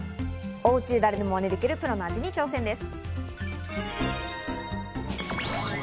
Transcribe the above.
おうちで誰でもまねできるプロの味に挑戦です。